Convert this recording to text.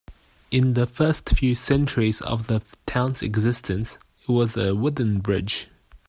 In the first few centuries of the town's existence, it was a wooden bridge.